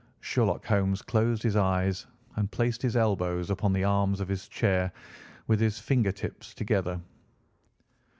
Sherlock Holmes closed his eyes and placed his elbows upon the arms of his chair, with his finger tips together.